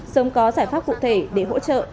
sớm có giải pháp cụ thể để hỗ trợ